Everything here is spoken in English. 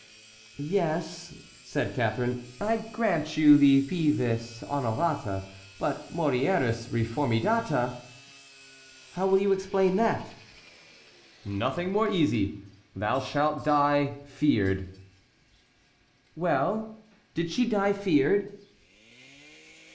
"Yes," said Catharine, "I grant you the vives honorata; but morieris reformidata: how will you explain that?" "Nothing more easy: Thou shalt die feared." "Well—did she die feared?"